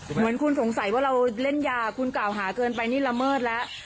เหมือนคุณสงสัยว่าเราเล่นยาคุณกล่าวหาเกินไปนี่ละเมิดแล้ว